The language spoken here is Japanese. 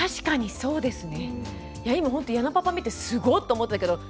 そうですね。